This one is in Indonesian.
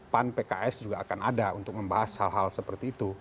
pan pks juga akan ada untuk membahas hal hal seperti itu